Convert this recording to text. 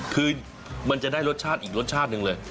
คือมันจะได้รสชาติอีกรสชาติหนึ่งเลย